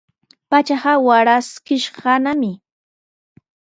Pachaqa waraskishqanami.